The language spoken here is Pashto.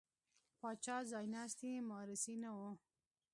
پاچا ځایناستی مورثي نه و.